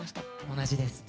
同じです。